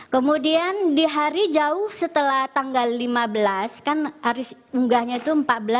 kemudian di hari jauh setelah tanggal lima belas kan hari unggahnya itu empat belas